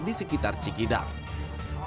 di kawasan kawasan yang tersebut